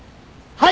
はい！